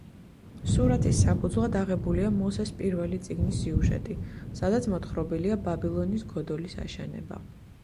სურათის საფუძვლად აღებულია მოსეს პირველი წიგნის სიუჟეტი, სადაც მოთხრობილია ბაბილონის გოდოლის აშენება.